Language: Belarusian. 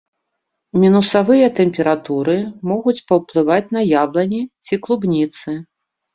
Мінусавыя тэмпературы могуць паўплываць на яблыні ці клубніцы.